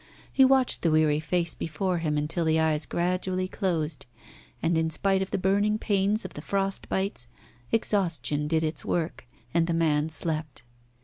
He watched the weary face before him until the eyes gradually closed, and, in spite of the burning pains of the frost bites, exhaustion did its work, and the man slept.